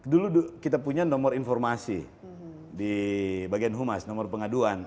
dulu kita punya nomor informasi di bagian humas nomor pengaduan